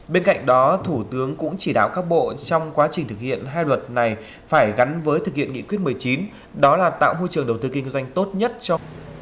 bên cạnh đó thủ tướng cũng chỉ đạo các bộ trong quá trình thực hiện hai luật này phải gắn với thực hiện nghị quyết một mươi chín đó là tạo môi trường đầu tư kinh doanh tốt nhất cho